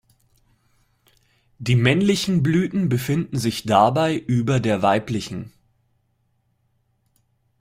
Die männlichen Blüten befinden sich dabei über der weiblichen.